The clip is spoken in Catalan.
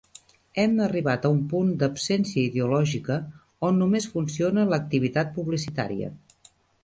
Hem arribat a un punt d'absència ideològica on només funciona l'activitat publicitària.